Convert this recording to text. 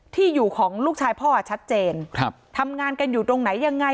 ที่อยู่ของลูกชายพ่อชัดเจนครับทำงานกันอยู่ตรงไหนยังไง